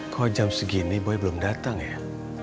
kok jam segini boy belum datang ya